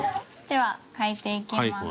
では書いていきます。